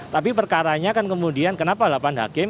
tapi perkaranya kan kemudian kenapa delapan hakim